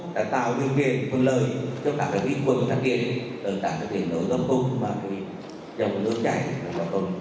đã tạo điều kiện phương lợi cho tạo được vi khuẩn thắng điện tạo được điện nối gấp khúc và dòng nước chạy gấp khúc